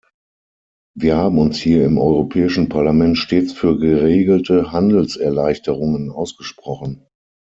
Wir haben uns hier im Europäischen Parlament stets für geregelte Handelserleichterungen ausgesprochen.